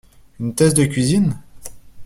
Une thèse de cuisine?